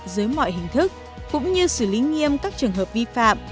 dưới mọi hình thức cũng như xử lý nghiêm các trường hợp vi phạm